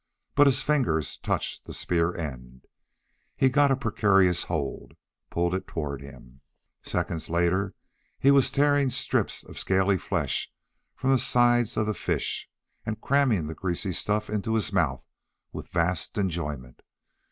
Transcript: But his fingers touched the spear end. He got a precarious hold, pulled it toward him. Seconds later he was tearing strips of scaly flesh from the side of the fish and cramming the greasy stuff into his mouth with vast enjoyment.